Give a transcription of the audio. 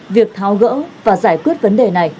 việc tháo gỡ và giải quyết vấn đề này